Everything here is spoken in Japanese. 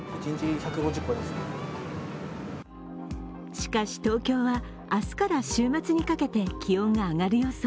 しかし、東京は明日から週末にかけて気温が上がる予想。